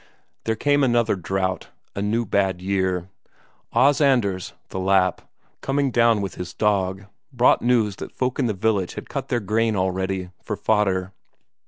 There came another drought, a new bad year. Os Anders the Lapp, coming by with his dog, brought news that folk in the village had cut their corn already, for fodder.